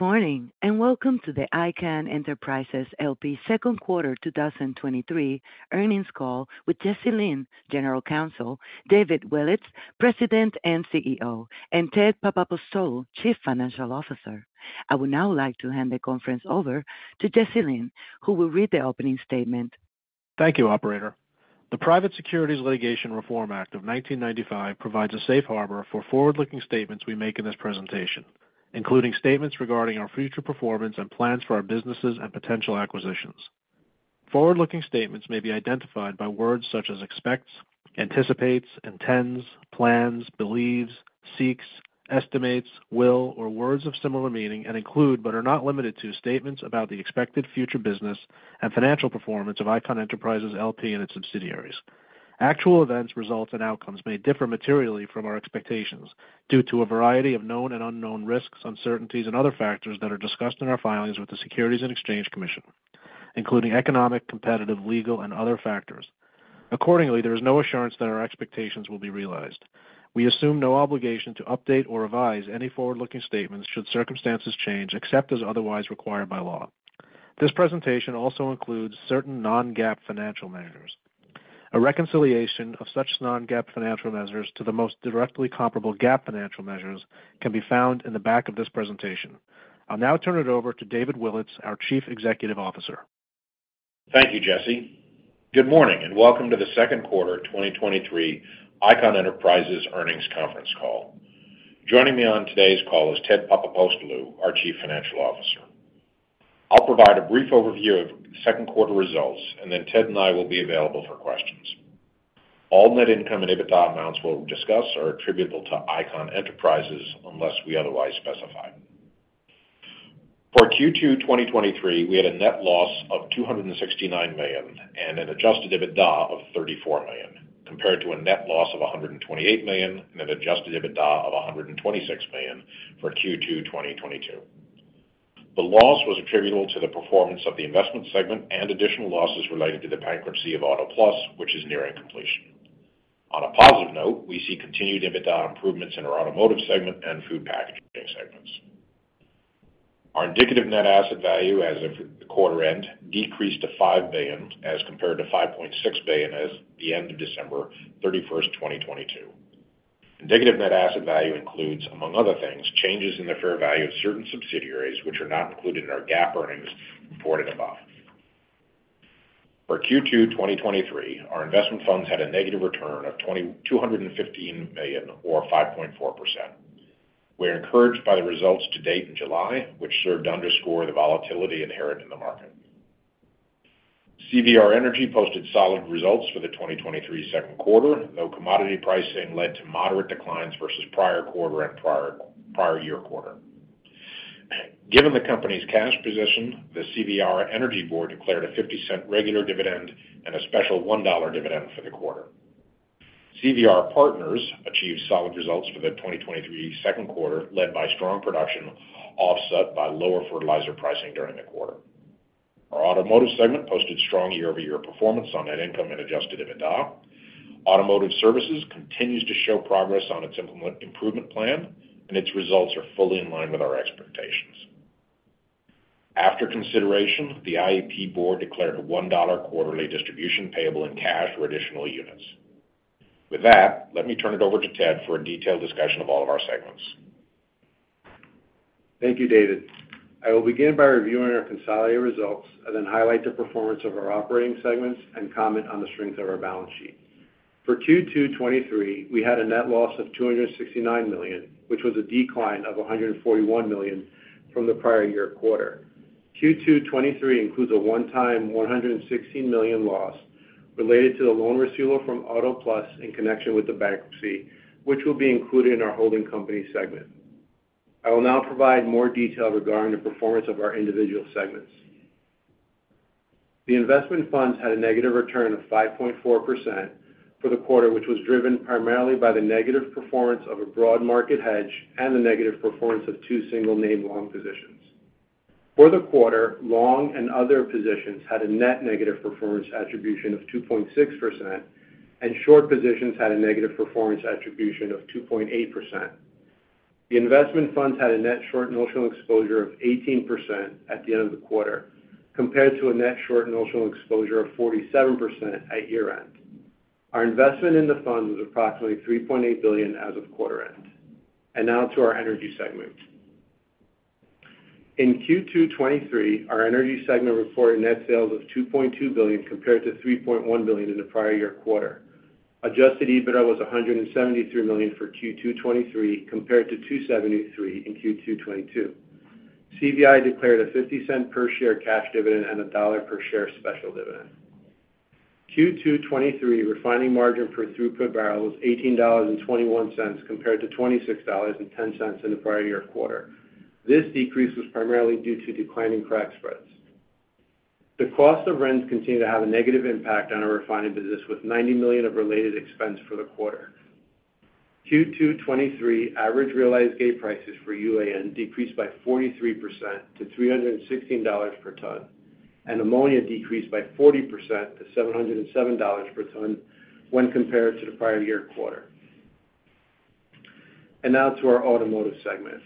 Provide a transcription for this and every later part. Good morning, and welcome to the Icahn Enterprises L.P. Q2 2023 earnings call with Jesse Lynn, General Counsel, David Willetts, President and CEO, and Ted Papapostolou, Chief Financial Officer. I would now like to hand the conference over to Jesse Lynn, who will read the opening statement. Thank you, operator. The Private Securities Litigation Reform Act of 1995 provides a safe harbor for forward-looking statements we make in this presentation, including statements regarding our future performance and plans for our businesses and potential acquisitions. Forward-looking statements may be identified by words such as expects, anticipates, intends, plans, believes, seeks, estimates, will, or words of similar meaning, and include, but are not limited to, statements about the expected future business and financial performance of Icahn Enterprises L.P. and its subsidiaries. Actual events, results, and outcomes may differ materially from our expectations due to a variety of known and unknown risks, uncertainties, and other factors that are discussed in our filings with the Securities and Exchange Commission, including economic, competitive, legal, and other factors. Accordingly, there is no assurance that our expectations will be realized. We assume no obligation to update or revise any forward-looking statements should circumstances change, except as otherwise required by law. This presentation also includes certain non-GAAP financial measures. A reconciliation of such non-GAAP financial measures to the most directly comparable GAAP financial measures can be found in the back of this presentation. I'll now turn it over to David Willetts, our Chief Executive Officer. Thank you, Jesse. Good morning, welcome to the Q2 2023 Icahn Enterprises Earnings Conference Call. Joining me on today's call is Ted Papapostolou, our Chief Financial Officer. I'll provide a brief overview of Q2 results, then Ted and I will be available for questions. All net income and EBITDA amounts we'll discuss are attributable to Icahn Enterprises unless we otherwise specify. For Q2 2023, we had a net loss of $269 million and an adjusted EBITDA of $34 million, compared to a net loss of $128 million and an adjusted EBITDA of $126 million for Q2 2022. The loss was attributable to the performance of the investment segment and additional losses related to the bankruptcy of Auto Plus, which is nearing completion. On a positive note, we see continued EBITDA improvements in our automotive segment and food packaging segments. Our indicative net asset value as of the quarter end decreased to $5 billion, as compared to $5.6 billion as the end of December 31, 2022. Indicative net asset value includes, among other things, changes in the fair value of certain subsidiaries, which are not included in our GAAP earnings reported above. For Q2 2023, our investment funds had a negative return of $2,215 million or 5.4%. We are encouraged by the results to date in July, which served to underscore the volatility inherent in the market. CVR Energy posted solid results for the 2023 Q2, though commodity pricing led to moderate declines versus prior quarter and prior, prior year quarter. Given the company's cash position, the CVR Energy Board declared a $0.50 regular dividend and a special $1 dividend for the quarter. CVR Partners achieved solid results for the 2023 Q2, led by strong production, offset by lower fertilizer pricing during the quarter. Our automotive segment posted strong year-over-year performance on net income and adjusted EBITDA. Automotive Services continues to show progress on its improvement plan, and its results are fully in line with our expectations. After consideration, the IEP board declared a $1 quarterly distribution payable in cash or additional units. With that, let me turn it over to Ted for a detailed discussion of all of our segments. Thank you, David. I will begin by reviewing our consolidated results, then highlight the performance of our operating segments and comment on the strength of our balance sheet. For Q2 2023, we had a net loss of $269 million, which was a decline of $141 million from the prior year quarter. Q2 2023 includes a one-time $116 million loss related to the loan receivable from Auto Plus in connection with the bankruptcy, which will be included in our holding company segment. I will now provide more detail regarding the performance of our individual segments. The investment funds had a negative return of 5.4% for the quarter, which was driven primarily by the negative performance of a broad market hedge and the negative performance of two single name long positions. For the quarter, long and other positions had a net negative performance attribution of 2.6%, and short positions had a negative performance attribution of 2.8%. The investment funds had a net short notional exposure of 18% at the end of the quarter, compared to a net short notional exposure of 47% at year-end. Our investment in the fund was approximately $3.8 billion as of quarter end. Now to our energy segment. In Q2 2023, our energy segment reported net sales of $2.2 billion, compared to $3.1 billion in the prior year quarter. Adjusted EBITDA was $173 million for Q2 2023, compared to $273 million in Q2 2022. CVI declared a $0.50 per share cash dividend and a $1.00 per share special dividend. Q2 2023 refining margin per throughput barrel was $18.21, compared to $26.10 in the prior year quarter. This decrease was primarily due to declining crack spreads. The cost of RINs continued to have a negative impact on our refining business, with $90 million of related expense for the quarter. Q2 2023, average realized gate prices for UAN decreased by 43% to $316 per ton, and ammonia decreased by 40% to $707 per ton when compared to the prior year quarter. Now to our Automotive segment.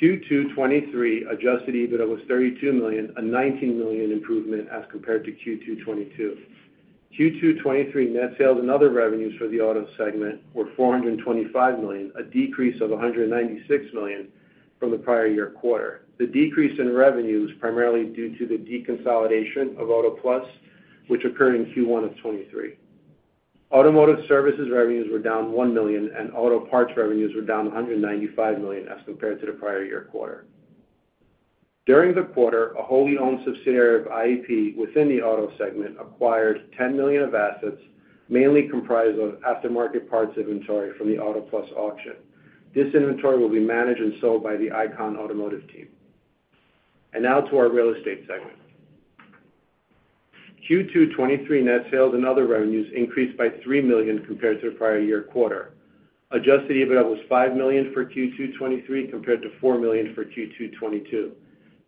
Q2 2023 adjusted EBITDA was $32 million, a $19 million improvement as compared to Q2 '22. Q2 2023 net sales and other revenues for the Auto segment were $425 million, a decrease of $196 million from the prior year quarter. The decrease in revenue is primarily due to the deconsolidation of Auto Plus, which occurred in Q1 of 2023. Automotive services revenues were down $1 million, auto parts revenues were down $195 million as compared to the prior year quarter. During the quarter, a wholly owned subsidiary of IEP within the Auto segment acquired $10 million of assets, mainly comprised of aftermarket parts inventory from the Auto Plus auction. This inventory will be managed and sold by the Icahn Automotive team. Now to our Real Estate segment. Q2 2023 net sales and other revenues increased by $3 million compared to the prior year quarter. Adjusted EBITDA was $5 million for Q2 2023, compared to $4 million for Q2 2022.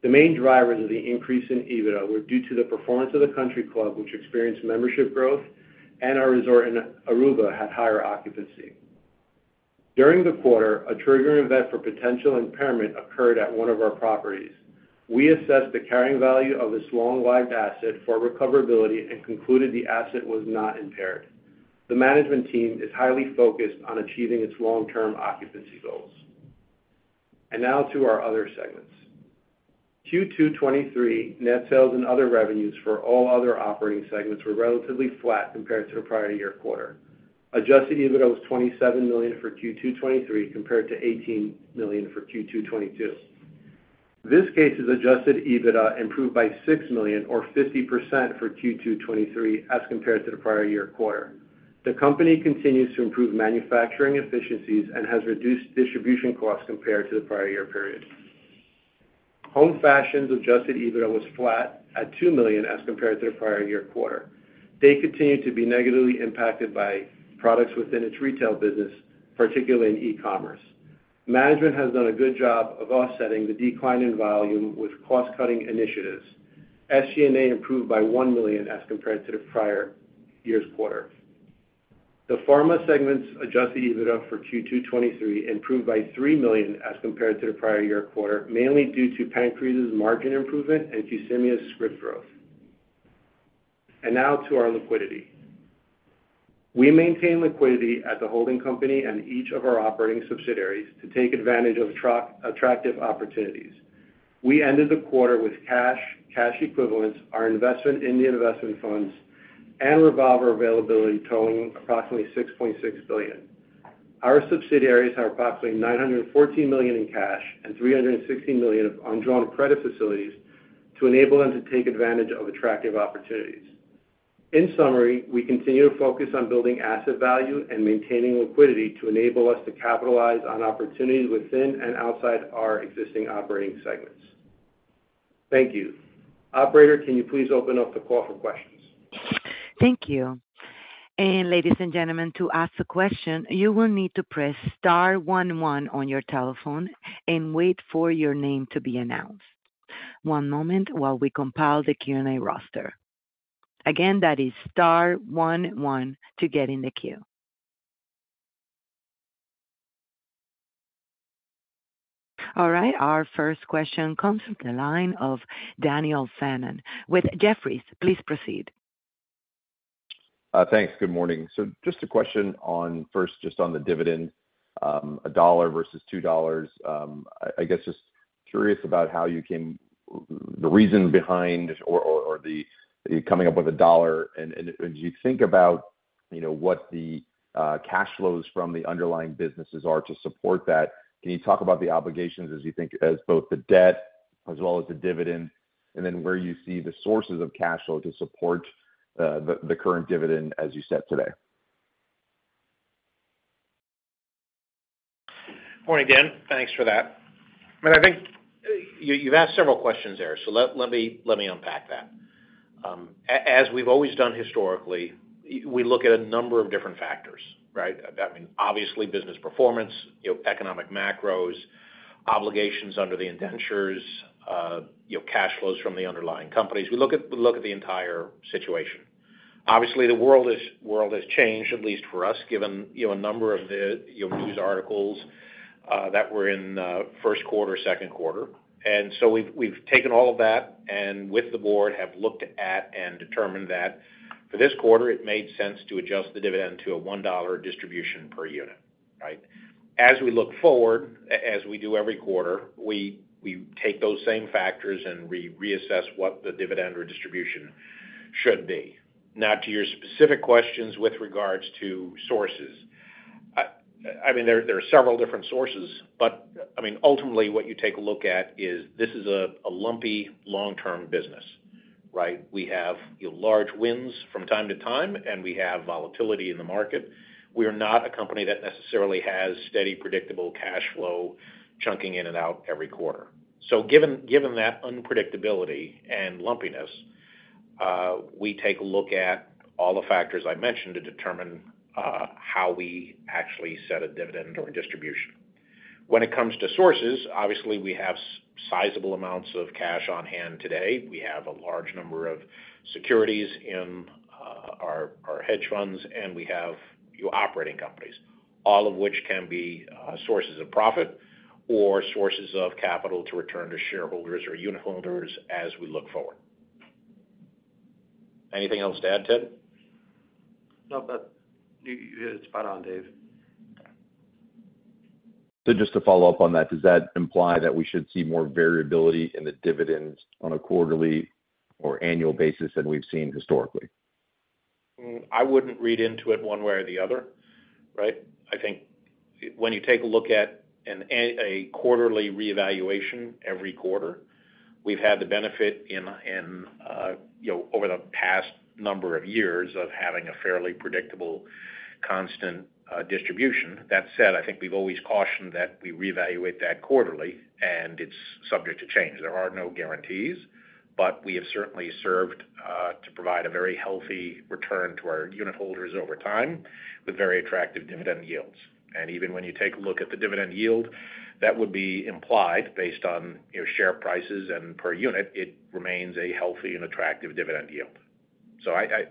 The main drivers of the increase in EBITDA were due to the performance of the country club, which experienced membership growth, and our resort in Aruba had higher occupancy. During the quarter, a triggering event for potential impairment occurred at one of our properties. We assessed the carrying value of this long-lived asset for recoverability and concluded the asset was not impaired. The management team is highly focused on achieving its long-term occupancy goals. Now to our other segments. Q2 2023 net sales and other revenues for all other operating segments were relatively flat compared to the prior year quarter. Adjusted EBITDA was $27 million for Q2 2023, compared to $18 million for Q2 2022. Viskase's adjusted EBITDA improved by $6 million or 50% for Q2 2023 as compared to the prior year quarter. The company continues to improve manufacturing efficiencies and has reduced distribution costs compared to the prior year period. Home Fashion's adjusted EBITDA was flat at $2 million as compared to the prior year quarter. They continue to be negatively impacted by products within its retail business, particularly in e-commerce. Management has done a good job of offsetting the decline in volume with cost-cutting initiatives. SG&A improved by $1 million as compared to the prior year's quarter. The Pharma segment's adjusted EBITDA for Q2 2023 improved by $3 million as compared to the prior year quarter, mainly due to PANCREAZE's margin improvement and Qsymia's script growth. Now to our liquidity. We maintain liquidity at the holding company and each of our operating subsidiaries to take advantage of attractive opportunities. We ended the quarter with cash, cash equivalents, our investment in the investment funds, and revolver availability totaling approximately $6.6 billion. Our subsidiaries have approximately $914 million in cash and $316 million of undrawn credit facilities to enable them to take advantage of attractive opportunities. In summary, we continue to focus on building asset value and maintaining liquidity to enable us to capitalize on opportunities within and outside our existing operating segments. Thank you. Operator, can you please open up the call for questions? Thank you. Ladies and gentlemen, to ask a question, you will need to press star one one on your telephone and wait for your name to be announced. One moment while we compile the Q&A roster. Again, that is star one one to get in the queue. All right, our first question comes from the line of Daniel Fannon with Jefferies. Please proceed. Thanks. Good morning. Just a question on first, just on the dividend, $1 versus $2. I guess, just curious about how you came the reason behind or the coming up with $1. As you think about, you know, what the cash flows from the underlying businesses are to support that, can you talk about the obligations as you think as both the debt as well as the dividend, and then where you see the sources of cash flow to support the current dividend as you set today? Morning, Dan. Thanks for that. I mean, I think you, you've asked several questions there, so let, let me, let me unpack that. As we've always done historically, we look at a number of different factors, right? That mean, obviously, business performance, you know, economic macros, obligations under the indentures, you know, cash flows from the underlying companies. We look at, look at the entire situation. Obviously, the world has changed, at least for us, given, you know, a number of the, you know, news articles, that were in, Q1, Q2. So we've, we've taken all of that, and with the board, have looked at and determined that for this quarter, it made sense to adjust the dividend to a $1 distribution per unit, right? As we look forward, as we do every quarter, we take those same factors, and we reassess what the dividend or distribution should be. To your specific questions with regards to sources. I mean, there, there are several different sources, but, I mean, ultimately, what you take a look at is this is a lumpy, long-term business, right? We have, you know, large wins from time to time, and we have volatility in the market. We are not a company that necessarily has steady, predictable cash flow, chunking in and out every quarter. Given, given that unpredictability and lumpiness, we take a look at all the factors I mentioned to determine, how we actually set a dividend or a distribution. When it comes to sources, obviously, we have sizable amounts of cash on hand today. We have a large number of securities in our, our hedge funds, and we have your operating companies, all of which can be sources of profit or sources of capital to return to shareholders or unitholders as we look forward. Anything else to add, Ted? No, you, you hit it spot on, Dave. Just to follow up on that, does that imply that we should see more variability in the dividends on a quarterly or annual basis than we've seen historically? I wouldn't read into it one way or the other, right? I think when you take a look at a quarterly reevaluation every quarter, we've had the benefit in, in, you know, over the past number of years of having a fairly predictable, constant, distribution. That said, I think we've always cautioned that we reevaluate that quarterly, and it's subject to change. There are no guarantees, but we have certainly served to provide a very healthy return to our unitholders over time, with very attractive dividend yields. Even when you take a look at the dividend yield, that would be implied based on, you know, share prices and per unit, it remains a healthy and attractive dividend yield. I,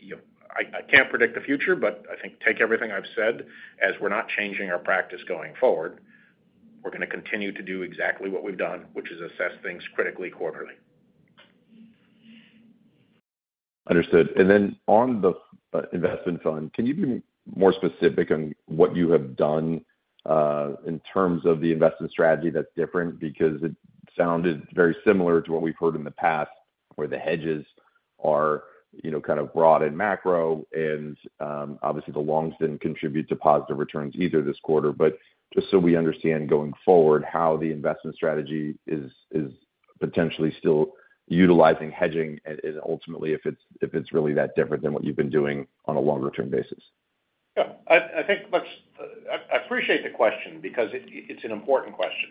you know, I can't predict the future, but I think take everything I've said, as we're not changing our practice going forward. We're gonna continue to do exactly what we've done, which is assess things critically, quarterly. Understood. Then on the investment fund, can you be more specific on what you have done in terms of the investment strategy that's different? Because it sounded very similar to what we've heard in the past, where the hedges are, you know, kind of broad and macro, and obviously, the longs didn't contribute to positive returns either this quarter. Just so we understand going forward, how the investment strategy is, is potentially still utilizing hedging, and ultimately, if it's, if it's really that different than what you've been doing on a longer-term basis. Yeah, I, I think I, I appreciate the question because it, it's an important question.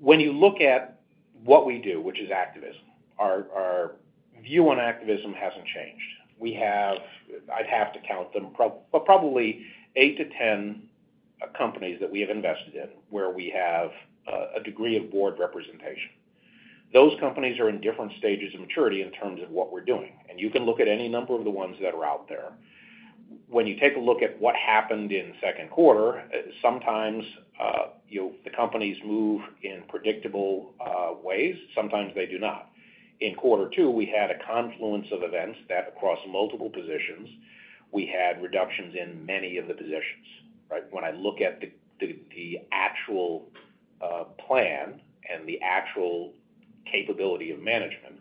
When you look at what we do, which is activism, our, our view on activism hasn't changed. We have I'd have to count them, but probably 8 to 10 companies that we have invested in, where we have a degree of board representation. Those companies are in different stages of maturity in terms of what we're doing. You can look at any number of the ones that are out there. When you take a look at what happened in the Q2, sometimes, you know, the companies move in predictable ways, sometimes they do not. In Q2, we had a confluence of events that across multiple positions, we had reductions in many of the positions, right? When I look at the, the, the actual plan and the actual capability of management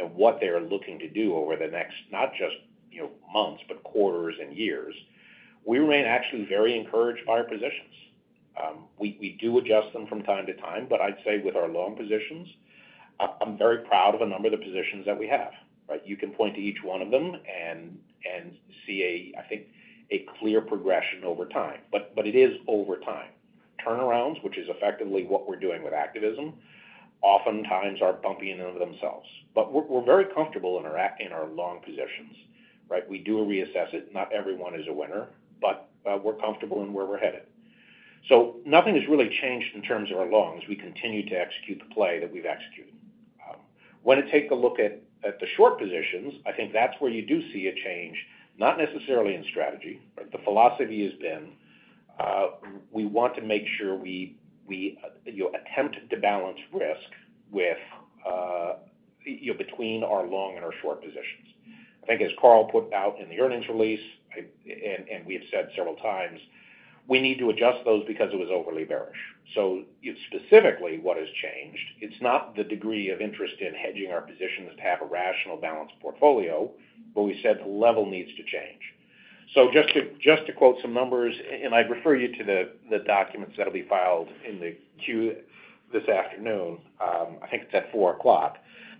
and what they're looking to do over the next, not just, you know, months, but quarters and years, we remain actually very encouraged by our positions. We, we do adjust them from time to time, but I'd say with our long positions, I'm very proud of a number of the positions that we have, right? You can point to each one of them and, and see a, I think, a clear progression over time. But it is over time. Turnarounds, which is effectively what we're doing with activism, oftentimes are bumpy in and of themselves. We're, we're very comfortable in our in our long positions, right? We do reassess it. Not everyone is a winner, but we're comfortable in where we're headed. Nothing has really changed in terms of our longs. We continue to execute the play that we've executed. When I take a look at, at the short positions, I think that's where you do see a change, not necessarily in strategy, but the philosophy has been, we, we want to make sure we, we, you know, attempt to balance risk with, you know, between our long and our short positions. I think as Carl put out in the earnings release, I, and we have said several times, we need to adjust those because it was overly bearish. Specifically, what has changed, it's not the degree of interest in hedging our positions to have a rational, balanced portfolio, but we said the level needs to change. Just to, just to quote some numbers, and I'd refer you to the, the documents that will be filed in the Q this afternoon, I think it's at 4:00 P.M.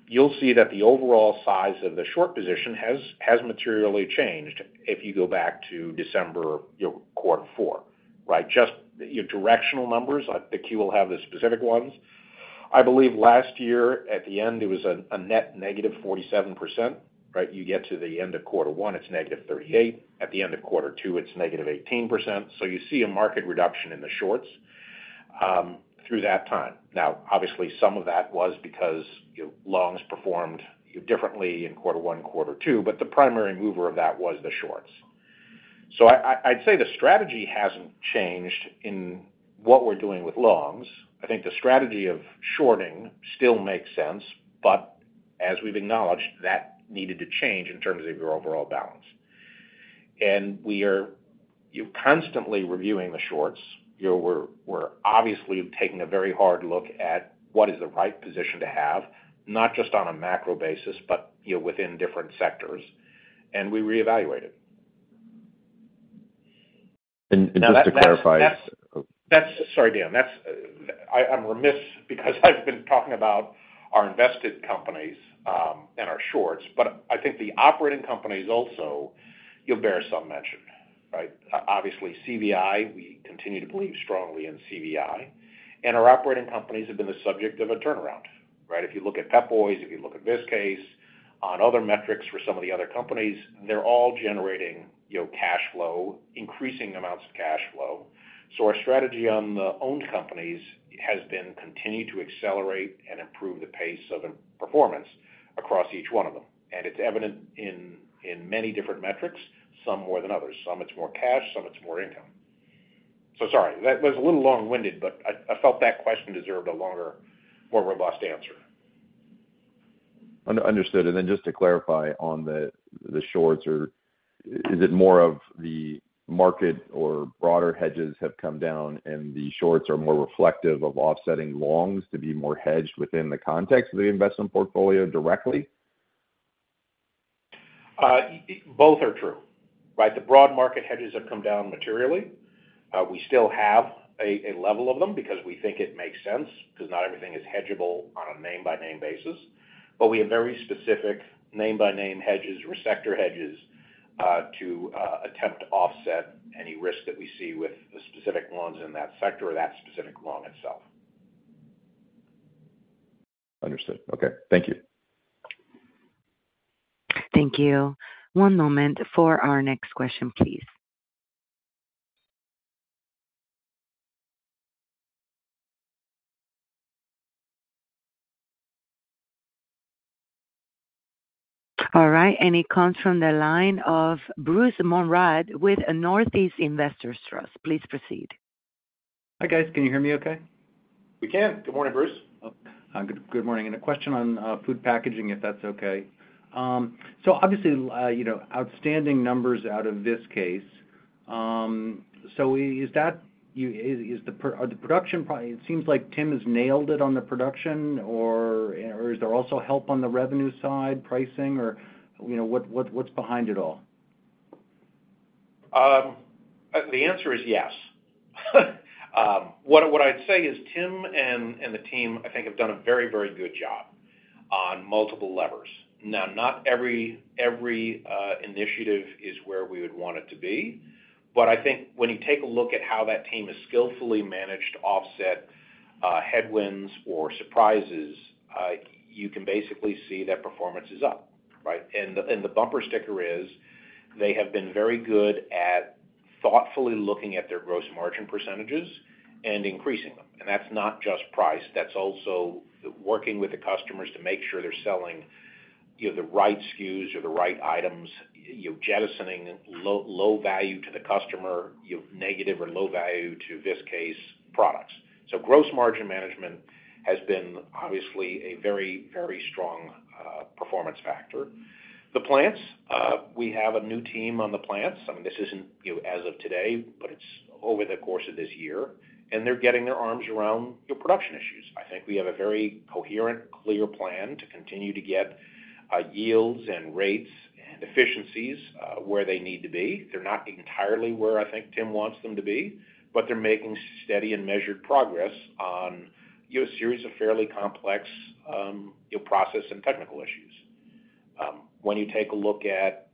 You'll see that the overall size of the short position has, has materially changed if you go back to December, you know, Q4, right? Just your directional numbers, I think you will have the specific ones. I believe last year, at the end, it was a net negative 47%, right? You get to the end of Q1, it's negative 38. At the end of Q2, it's negative 18%. You see a market reduction in the shorts through that time. Obviously, some of that was because, you know, longs performed differently in Q1, Q2, but the primary mover of that was the shorts. I, I'd say the strategy hasn't changed in what we're doing with longs. I think the strategy of shorting still makes sense, but as we've acknowledged, that needed to change in terms of your overall balance. We are, you know, constantly reviewing the shorts. You know, we're, we're obviously taking a very hard look at what is the right position to have, not just on a macro basis, but, you know, within different sectors, and we reevaluate it. Just to clarify. That's. Sorry, Dan. That's, I, I'm remiss because I've been talking about our invested companies, and our shorts, but I think the operating companies also, you'll bear some mention, right? Obviously, CVI, we continue to believe strongly in CVI. Our operating companies have been the subject of a turnaround, right? If you look at Pep Boys, if you look at Viskase, on other metrics for some of the other companies, they're all generating, you know, cash flow, increasing amounts of cash flow. Our strategy on the owned companies has been continue to accelerate and improve the pace of performance across each one of them. It's evident in, in many different metrics, some more than others. Some it's more cash, some it's more income. Sorry, that was a little long-winded, but I, I felt that question deserved a longer, more robust answer. Understood. Then just to clarify on the, the shorts, or is it more of the market or broader hedges have come down and the shorts are more reflective of offsetting longs to be more hedged within the context of the investment portfolio directly? Both are true, right? The broad market hedges have come down materially. We still have a, a level of them because we think it makes sense, because not everything is hedgeable on a name-by-name basis. We have very specific name-by-name hedges or sector hedges, to attempt to offset any risk that we see with the specific loans in that sector or that specific loan itself. Understood. Okay. Thank you. Thank you. One moment for our next question, please. All right, it comes from the line of Bruce Monrad with Northeast Investors Trust. Please proceed. Hi, guys. Can you hear me okay? We can. Good morning, Bruce. Good, good morning, a question on food packaging, if that's okay? Obviously, you know, outstanding numbers out of this case. Is that, you, are the production? It seems like Tim has nailed it on the production, or is there also help on the revenue side, pricing, or, you know, what, what, what's behind it all? The answer is yes. What I'd say is Tim and the team, I think, have done a very, very good job on multiple levers. Not every, every initiative is where we would want it to be, but I think when you take a look at how that team has skillfully managed to offset headwinds or surprises, you can basically see that performance is up, right? The bumper sticker is, they have been very good at thoughtfully looking at their gross margin % and increasing them. That's not just price, that's also working with the customers to make sure they're selling, you know, the right SKUs or the right items, you know, jettisoning low value to the customer, you know, negative or low value to this case, products. Gross margin management has been obviously a very, very strong performance factor. The plants, we have a new team on the plants. I mean, this isn't, you know, as of today, but it's over the course of this year, and they're getting their arms around the production issues. I think we have a very coherent, clear plan to continue to get yields and rates and efficiencies where they need to be. They're not entirely where I think Tim wants them to be, but they're making steady and measured progress on, you know, a series of fairly complex, you know, process and technical issues. When you take a look at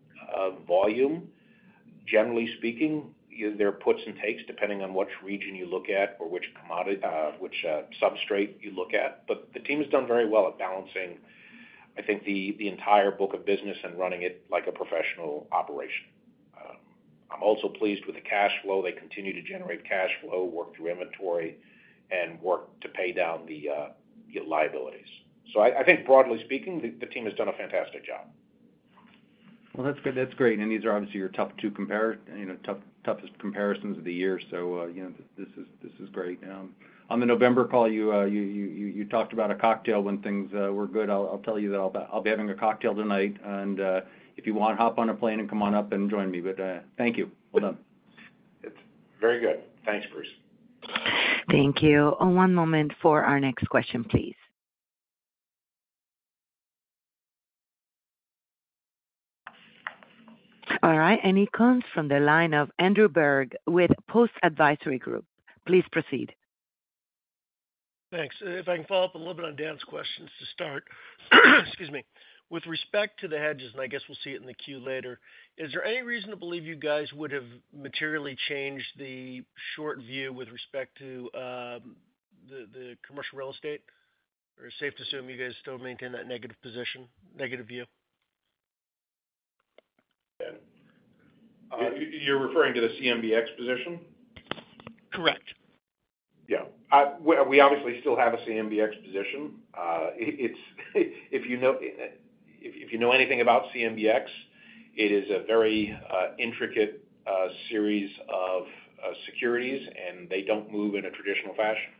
volume, generally speaking, there are puts and takes, depending on which region you look at or which commodity, which substrate you look at. The team has done very well at balancing, I think, the, the entire book of business and running it like a professional operation. I'm also pleased with the cash flow. They continue to generate cash flow, work through inventory, and work to pay down the liabilities. I, I think broadly speaking, the, the team has done a fantastic job. Well, that's good. That's great. These are obviously your top two you know, toughest comparisons of the year. You know, this is, this is great. On the November call, you, you, you, you talked about a cocktail when things, were good. I'll tell you that I'll be having a cocktail tonight, and, if you want, hop on a plane and come on up and join me. Thank you. Well done. Very good. Thanks, Bruce. Thank you. One moment for our next question, please. All right, it comes from the line of Andrew Berg with Post Advisory Group. Please proceed. Thanks. If I can follow up a little bit on Dan's questions to start. Excuse me. With respect to the hedges, and I guess we'll see it in the queue later, is there any reason to believe you guys would have materially changed the short view with respect to, the, the commercial real estate? Is it safe to assume you guys still maintain that negative position, negative view? You're referring to the CMBX position? Correct. Yeah. We, we obviously still have a CMBX position. It, it's, if you know, if you know anything about CMBX, it is a very intricate series of securities, and they don't move in a traditional fashion.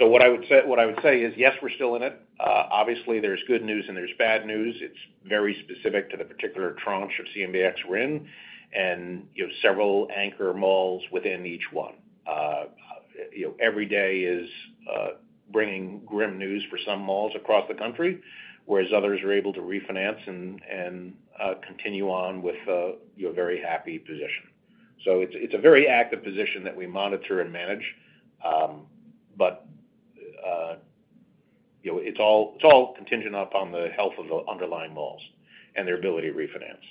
What I would say, what I would say is, yes, we're still in it. Obviously, there's good news, and there's bad news. It's very specific to the particular tranche of CMBX we're in, and, you know, several anchor malls within each one. You know, every day is bringing grim news for some malls across the country, whereas others are able to refinance and, and continue on with your very happy position. It's, it's a very active position that we monitor and manage, but, you know, it's all, it's all contingent upon the health of the underlying malls and their ability to refinance.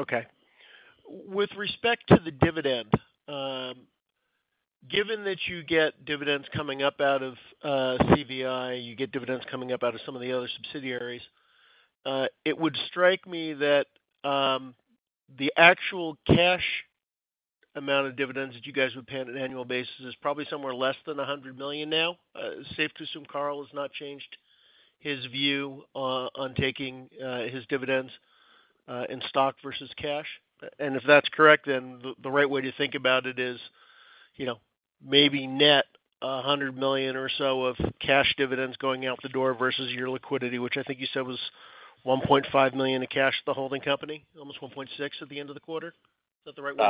Okay. With respect to the dividend, given that you get dividends coming up out of CVI, you get dividends coming up out of some of the other subsidiaries, it would strike me that the actual cash amount of dividends that you guys would pay on an annual basis is probably somewhere less than $100 million now. Safe to assume Carl has not changed his view on taking his dividends in stock versus cash? If that's correct, then the right way to think about it is, you know, maybe net $100 million or so of cash dividends going out the door versus your liquidity, which I think you said was $1.5 million in cash at the holding company, almost $1.6 million at the end of the quarter. Is that the right way?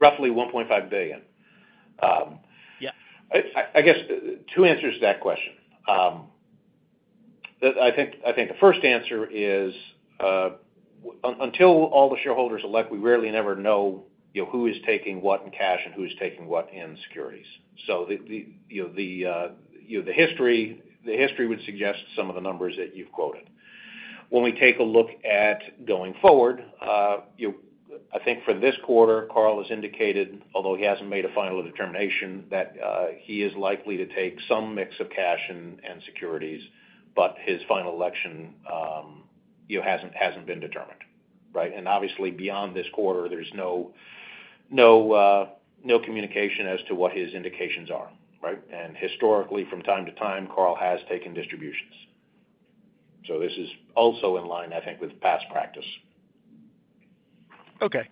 Roughly $1.5 billion. Yeah. I guess two answers to that question. I think, I think the first answer is until all the shareholders elect, we rarely never know, you know, who is taking what in cash and who is taking what in securities. The, the, you know, the history, the history would suggest some of the numbers that you've quoted. When we take a look at going forward, you know, I think for this quarter, Carl has indicated, although he hasn't made a final determination, that he is likely to take some mix of cash and, and securities, but his final election, you know, hasn't, hasn't been determined, right? Obviously, beyond this quarter, there's no communication as to what his indications are, right? Historically, from time to time, Carl has taken distributions. This is also in line, I think, with past practice. Okay.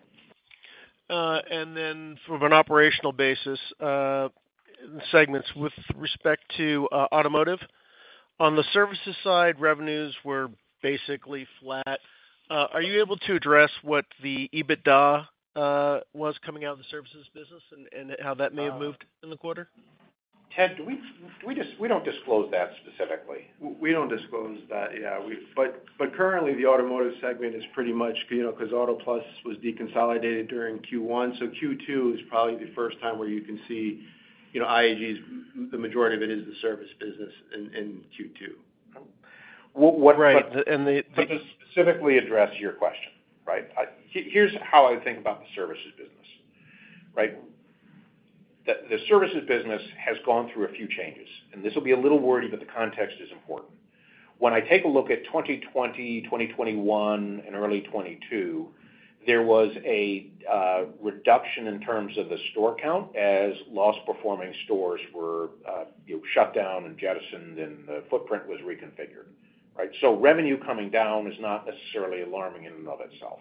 From an operational basis, segments with respect to automotive. On the services side, revenues were basically flat. Are you able to address what the EBITDA was coming out of the services business and how that may have moved in the quarter? Ted, we don't disclose that specifically. We don't disclose that, yeah, we. Currently, the automotive segment is pretty much, you know, 'cause Auto Plus was deconsolidated during Q1, so Q2 is probably the first time where you can see, you know, IAG's, the majority of it is the service business in Q2. Well. Right, the. To specifically address your question, right? Here, here's how I think about the services business, right? The, the services business has gone through a few changes, and this will be a little wordy, but the context is important. When I take a look at 2020, 2021, and early 2022, there was a reduction in terms of the store count as loss-performing stores were, you know, shut down and jettisoned, and the footprint was reconfigured, right? Revenue coming down is not necessarily alarming in and of itself.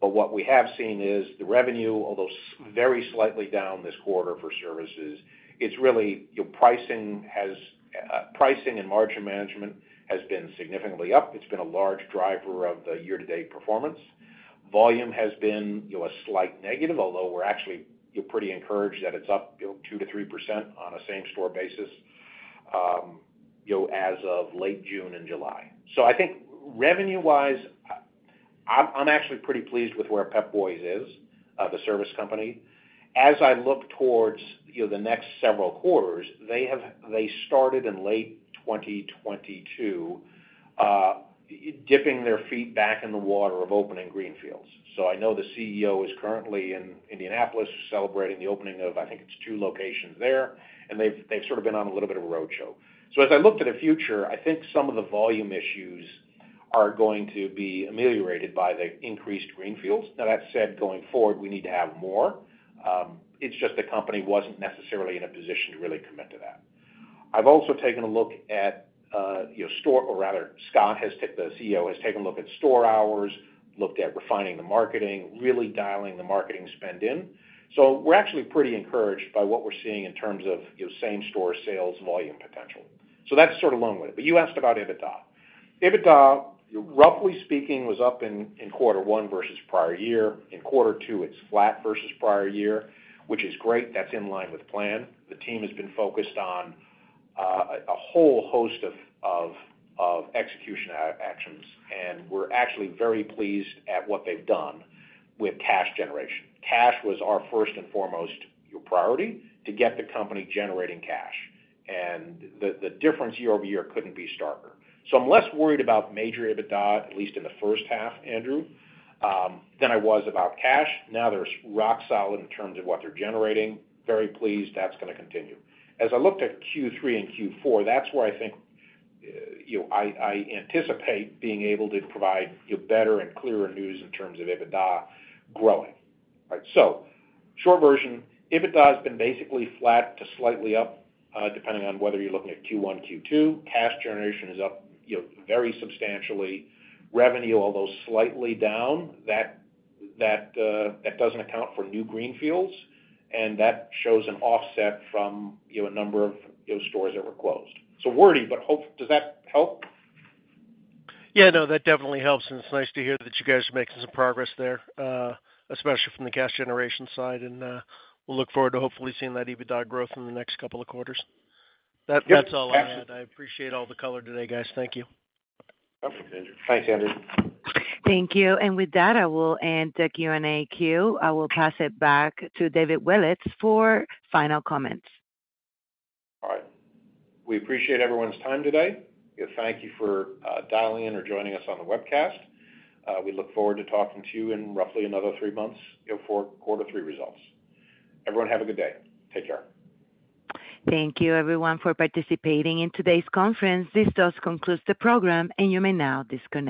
What we have seen is the revenue, although very slightly down this quarter for services, it's really, your pricing has, pricing and margin management has been significantly up. It's been a large driver of the year-to-date performance. Volume has been, you know, a slight negative, although we're actually, feel pretty encouraged that it's up, you know, 2% to 3% on a same-store basis, you know, as of late June and July. I think revenue-wise, I, I'm, I'm actually pretty pleased with where Pep Boys is, the service company. As I look towards, you know, the next several quarters, they have, they started in late 2022, dipping their feet back in the water of opening greenfields. I know the CEO is currently in Indianapolis, celebrating the opening of, I think it's two locations there, and they've, they've sort of been on a little bit of a roadshow. As I look to the future, I think some of the volume issues are going to be ameliorated by the increased greenfields. Now, that said, going forward, we need to have more. It's just the company wasn't necessarily in a position to really commit to that. I've also taken a look at, you know, store, or rather, Scott has taken the CEO, has taken a look at store hours, looked at refining the marketing, really dialing the marketing spend in. We're actually pretty encouraged by what we're seeing in terms of, you know, same store sales volume potential. That's sort of along with it. You asked about EBITDA. EBITDA, roughly speaking, was up in, in Q1 versus prior year. In Q2, it's flat versus prior year, which is great. That's in line with plan. The team has been focused on, a whole host of execution actions, and we're actually very pleased at what they've done with cash generation. Cash was our first and foremost, your priority, to get the company generating cash. The, the difference year-over-year couldn't be starker. I'm less worried about major EBITDA, at least in the first half, Andrew, than I was about cash. Now, they're rock solid in terms of what they're generating. Very pleased. That's gonna continue. As I looked at Q3 and Q4, that's where I think, you know, I, I anticipate being able to provide, you know, better and clearer news in terms of EBITDA growing, right? Short version, EBITDA has been basically flat to slightly up, depending on whether you're looking at Q1, Q2. Cash generation is up, you know, very substantially. Revenue, although slightly down, that, that, that doesn't account for New Greenfields, and that shows an offset from, you know, a number of, you know, stores that were closed. wordy, but hope. Does that help? Yeah, no, that definitely helps, and it's nice to hear that you guys are making some progress there, especially from the cash generation side, and we'll look forward to hopefully seeing that EBITDA growth in the next couple of quarters. Yep, absolutely. That's all I had. I appreciate all the color today, guys. Thank you. Perfect, Andrew. Thanks, Andrew. Thank you, and with that, I will end the Q&A queue. I will pass it back to David Willetts for final comments. All right. We appreciate everyone's time today. Thank You for dialing in or joining us on the webcast. We look forward to talking to you in roughly another three months, you know, for Q3 results. Everyone, have a good day. Take care. Thank you, everyone, for participating in today's conference. This does conclude the program, and you may now disconnect.